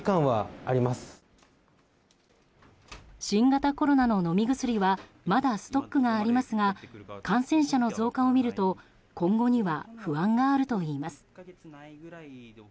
新型コロナの飲み薬はまだストックがありますが感染者の増加を見ると今後には不安があるといいます。